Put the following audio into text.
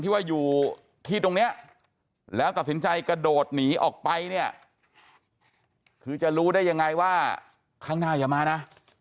ว่าอยู่ที่ตรงเนี้ยแล้วตัดสินใจกระโดดหนีออกไปเนี่ยคือจะรู้ได้ยังไงว่าข้างหน้าอย่ามานะ